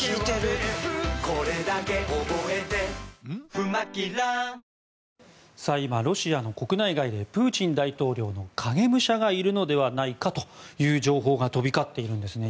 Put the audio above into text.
今日のチラシで今、ロシアの国内外でプーチン大統領の影武者がいるのではないかという情報が飛び交っているんですね